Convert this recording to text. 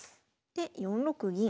で４六銀。